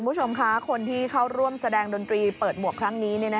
คุณผู้ชมค่ะคนที่เข้าร่วมแสดงดนตรีเปิดหมวกครั้งนี้